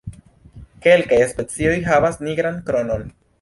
Kelkaj specioj havas nigran kronon.